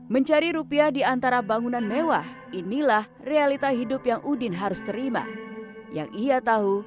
mencari rupiah di antara bangunan mewah inilah realita hidup yang udin harus terima yang ia tahu